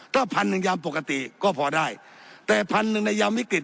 ถ้าพันหนึ่งยามปกติก็พอได้แต่พันหนึ่งในยามวิกฤต